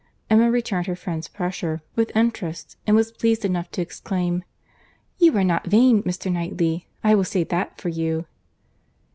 Emma returned her friend's pressure with interest; and was pleased enough to exclaim, "You are not vain, Mr. Knightley. I will say that for you."